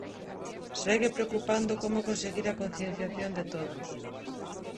Segue preocupando como conseguir a concienciación de todos.